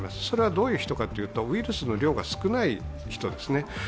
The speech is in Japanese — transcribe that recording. それはどういう人かというと、ウイルスの量が少ない人ですね。